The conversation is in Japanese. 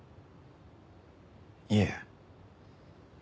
いえ。